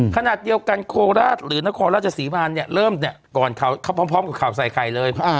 ขนาดเดียวกันโคลาศหรือนักโคลาศจสีบานเนี่ยเริ่มเนี่ยพร้อมกับข่าวใส่ไข่เลย